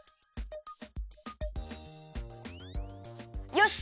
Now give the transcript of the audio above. よし！